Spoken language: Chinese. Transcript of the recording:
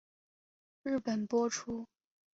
日本播出。